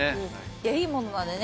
いやいいものなのでね